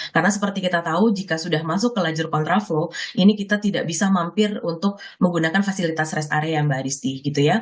karena seperti kita tahu jika sudah masuk ke lajur kontra flow ini kita tidak bisa mampir untuk menggunakan fasilitas rest area mbak adisti